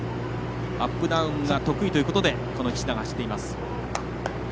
アップダウンが得意ということでこの菱田が走っています。